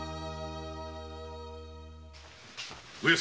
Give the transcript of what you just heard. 上様